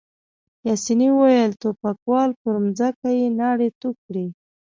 پاسیني وویل: ټوپکوال، پر مځکه يې ناړې تو کړې.